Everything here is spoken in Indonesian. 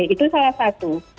itu salah satu